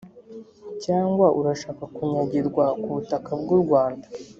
cyangwaurashaka kunyagirwa ku butaka bw’u rwanda